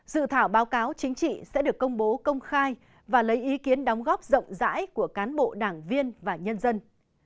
dự thảo báo cáo chính trị sẽ được công bố công khai và lấy ý kiến đóng góp rộng rãi của cán bộ đảng viên và nhân dân